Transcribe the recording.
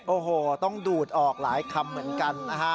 โอ้โหต้องดูดออกหลายคำเหมือนกันนะฮะ